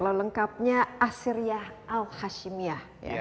lalu lengkapnya assyriyah al hashimiyah ya